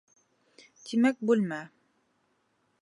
Тимәк, бүлмә...